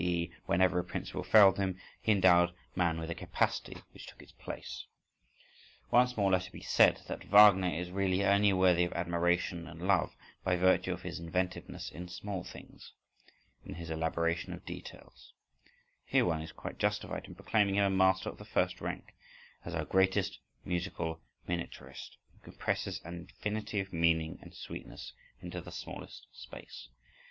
e._: whenever a principle failed him, he endowed man with a "capacity" which took its place…) Once more let it be said that Wagner is really only worthy of admiration and love by virtue of his inventiveness in small things, in his elaboration of details,—here one is quite justified in proclaiming him a master of the first rank, as our greatest musical miniaturist who compresses an infinity of meaning and sweetness into the smallest space.